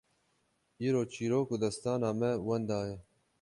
Îro çîrok û destana me wenda ye!